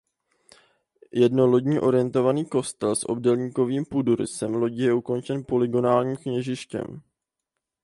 Jednolodní orientovaný kostel s obdélníkovým půdorysem lodi je ukončen polygonálním kněžištěm.